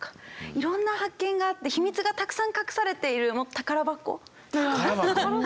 いろんな発見があって秘密がたくさん隠されているもう宝箱のような。